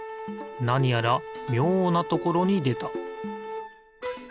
なにやらみょうなところにでた。